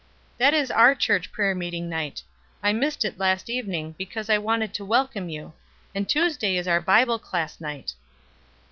"That is our church prayer meeting night. I missed it last evening because I wanted to welcome you. And Tuesday is our Bible class night."